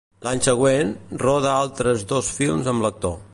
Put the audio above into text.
L'any següent, roda altres dos films amb l'actor.